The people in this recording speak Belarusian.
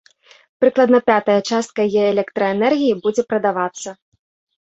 Прыкладна пятая частка яе электраэнергіі будзе прадавацца.